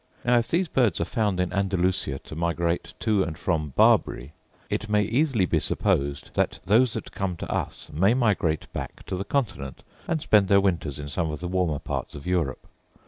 Now if these birds are found in Andalusia to migrate to and from Barbary, it may easily be supposed that those that come to us may migrate back to the continent, and spend their winters in some of the warmer parts of Europe.